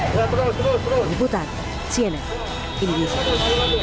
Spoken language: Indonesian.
berikutnya cnn indonesia